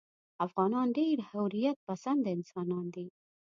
افغانان ډېر حریت پسنده انسانان دي.